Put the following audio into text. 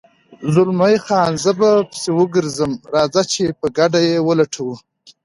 زلمی خان: زه به پسې وګرځم، راځه چې په ګډه یې ولټوو.